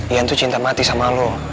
ian tuh cinta mati sama lo